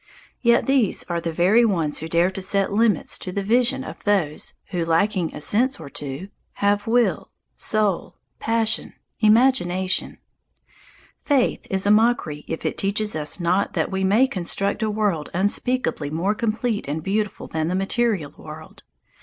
Yet these are the very ones who dare to set limits to the vision of those who, lacking a sense or two, have will, soul, passion, imagination. Faith is a mockery if it teaches us not that we may construct a world unspeakably more complete and beautiful than the material world.